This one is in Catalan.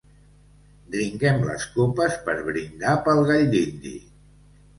Dringuem les copes per brindar pel gall dindi.